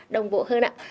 đồng bộ hơn ạ